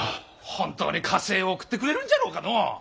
本当に加勢を送ってくれるんじゃろうかのう。